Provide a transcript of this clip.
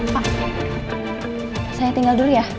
pak saya tinggal dulu ya